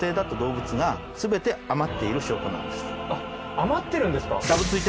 余ってるんですか。